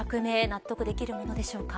納得できるものでしょうか。